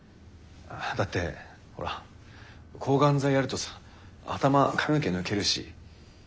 だってほら抗がん剤やるとさ頭髪の毛抜けるし。